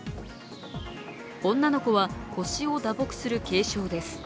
女の子は腰を打撲する軽傷です。